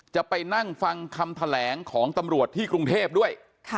จะไปนั่งฟังคำแถลงของตำรวจที่กรุงเทพด้วย